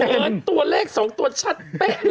เออตัวเลขสองตัวชัดเป๊ะ